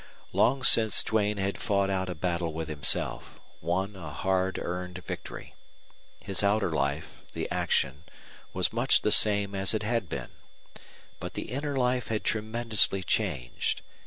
Long since Duane had fought out a battle with himself, won a hard earned victory. His outer life, the action, was much the same as it had been; but the inner life had tremendously changed.